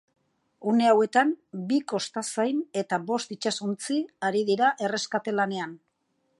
Une hauetan, bi kostazain eta bost itsasontzi ari dira erreskate lanean.